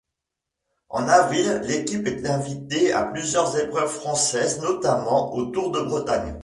En avril, l'équipe est invité à plusieurs épreuves françaises, notamment au Tour de Bretagne.